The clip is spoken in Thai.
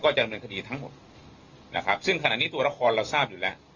ดำเนินคดีทั้งหมดนะครับซึ่งขณะนี้ตัวละครเราทราบอยู่แล้ว